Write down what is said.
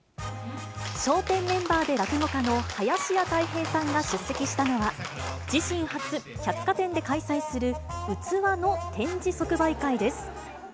笑点メンバーで落語家の林家たい平さんが出席したのは、自身初、百貨店で開催する器の展示即売会です。